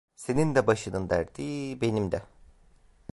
Senin de başının derdi, benim de…